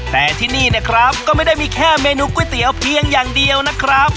แต่ที่นี่นะครับก็ไม่ได้มีแค่เมนูก๋วยเตี๋ยวเพียงอย่างเดียวนะครับ